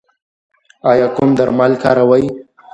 ایا کوم درمل کاروئ؟